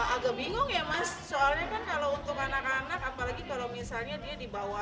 agak bingung ya mas soalnya kan kalau untuk anak anak apalagi kalau misalnya dia di bawah sepuluh tahun ya